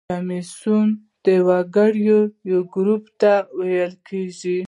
کمیسیون د وګړو یو ګروپ ته ویل کیږي.